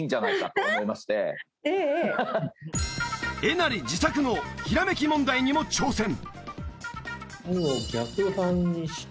えなり自作のひらめき問題にも挑戦。